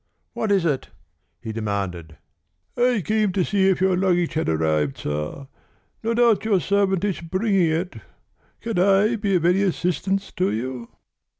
"What is it?" he demanded. "I came to see if your luggage had arrived, sir. No doubt your servant is bringing it. Can I be of any assistance to you?"